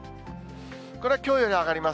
これはきょうより上がります。